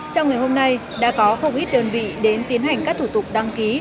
trong ngày hôm nay đã có không ít đơn vị đến tiến hành các thủ tục đăng ký